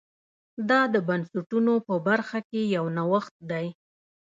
دا د بنسټونو په برخه کې یو نوښت دی.